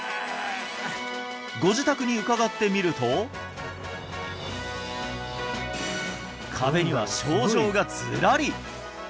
ご自宅に伺ってみると壁には賞状がズラリ！